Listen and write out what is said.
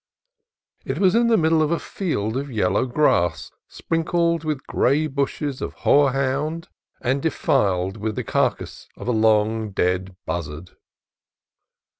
It was in the middle of a field of yellowed grass sprinkled with gray bushes of horehound and defiled with the carcass of a dead buzzard.